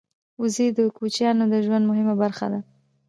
وزې د کوچیانو د ژوند مهمه برخه ده